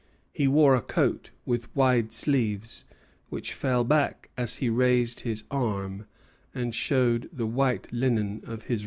He wore a coat with wide sleeves, which fell back as he raised his arm, and showed the white linen of the wristband."